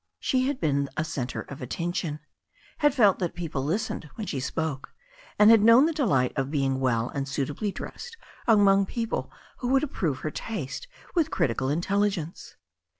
She had )^en a centre of attention, had felt that people listened when she spoke, and had known the delight of being well and suitably dressed among people who would approve her taste with critical intelligence.